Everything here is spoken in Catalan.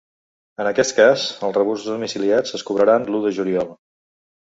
En aquest cas, els rebuts domiciliats es cobraran l’u de juliol.